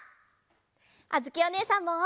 あづきおねえさんも。